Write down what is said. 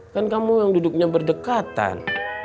kan kamu yang duduknya berdekatan